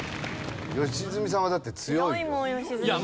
良純さんはだって強いよ。